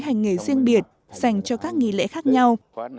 hành nghề riêng biệt dành cho các nghi lễ khác nhau